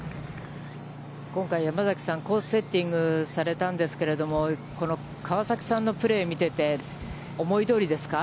今回、山崎さん、コースセッティングされたんですけど、この川崎さんのプレーを見てて、思いどおりですか。